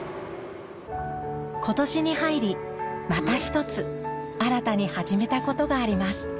今年に入りまた一つ新たに始めたことがあります。